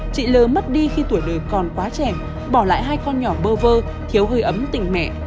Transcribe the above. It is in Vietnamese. chị l mất đi khi tuổi đời còn quá trẻ bỏ lại hai con nhỏ bơ vơ thiếu hơi ấm tình mẹ